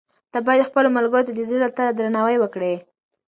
ته باید خپلو ملګرو ته د زړه له تله درناوی وکړې.